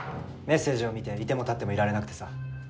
メッセージを見ていても立ってもいられなくてさ。